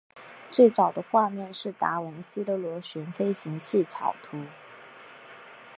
最早的画面是达文西的螺旋飞行器草图。